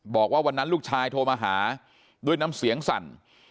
บอกว่าวันนั้นลูกชายโทรมาหาด้วยน้ำเสียงสั่น